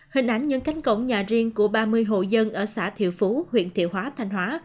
hình ảnh những cánh cổng nhà riêng của ba mươi hộ dân ở xã thiệu phú huyện thiệu hóa thanh hóa